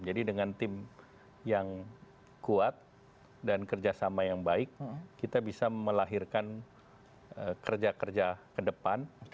jadi dengan tim yang kuat dan kerjasama yang baik kita bisa melahirkan kerja kerja ke depan